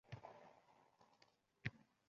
lablaringda osilib turar